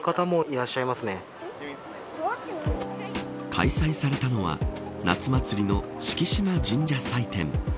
開催されたのは夏祭りの敷島神社祭典。